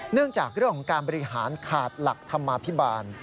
เนื่องจากเรื่องของการบริหารขาดหลักธรรมาภิบาล